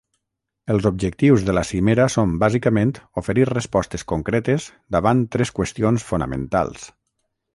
Els objectius de la cimera són bàsicament oferir respostes concretes davant tres qüestions fonamentals.